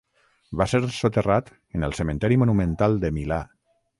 Va ser soterrat en el cementeri monumental de Milà.